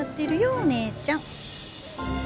お姉ちゃん。